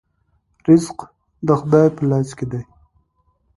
رزق د خدای په لاس کې دی.